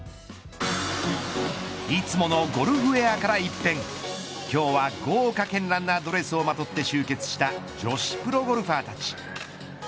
いつものゴルフウェアから一転今日は豪華絢爛なドレスをまとって集結した女子プロゴルファーたち。